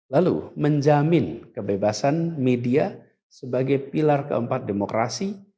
lalu menjamin kebebasan media sebagai pilar keempat demokrasi